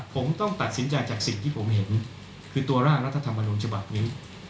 ผมต้องตัดสินใจจากสิ่งที่ผมเห็นคือตัวร่างรัฐธรรมนุนฉบับนี้